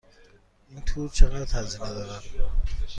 این تور چقدر هزینه دارد؟